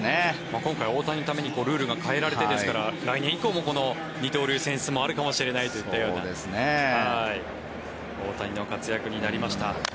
今回大谷のためにルールが変えられてですから、来年以降もこの二刀流選出もあるかもしれないといったような大谷の活躍になりました。